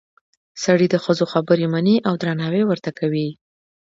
سړي د ښځو خبرې مني او درناوی ورته کوي